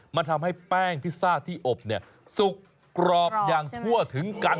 มันทำให้แป้งพิซซ่าที่อบเนี่ยสุกกรอบอย่างทั่วถึงกัน